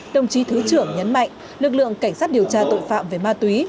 đồng chí thứ trưởng nhấn mạnh lực lượng cảnh sát điều tra tội phạm về ma túy